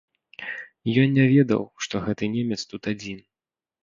Ён не ведаў, што гэты немец тут адзін.